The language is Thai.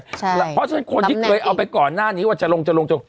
ใช่น้ำแหน่งอีกเพราะฉะนั้นคนที่เคยเอาไปก่อนหน้านี้ว่าจะลงจะลงจะลง